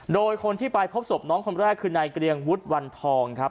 โดยคนที่ไปพบศพน้องคนแรกคือนายเกรียงวุฒิวันทองครับ